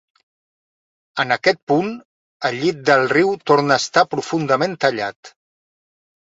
En aquest punt el llit del riu torna a estar profundament tallat.